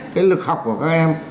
cái lực học của các em